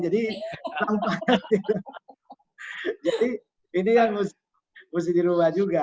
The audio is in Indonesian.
jadi ini yang harus diubah juga